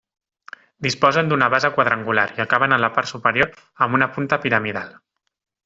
Disposen d'una base quadrangular i acaben en la part superior amb una punta piramidal.